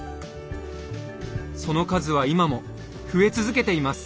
その数は今も増え続けています。